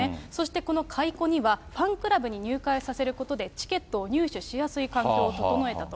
そして、この買い子には、ファンクラブに入会させることで、チケットを入手しやすい環境を整えたと。